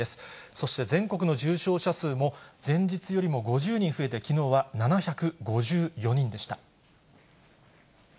そして全国の重症者数も、前日よりも５０人増えて、きのうは７５４人でした。